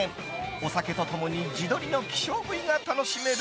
お酒と共に地鶏の希少部位が楽しめる。